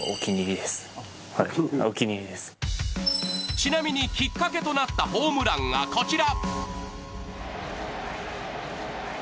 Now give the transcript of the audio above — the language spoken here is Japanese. ちなみに、きっかけとなったホームランがこちら。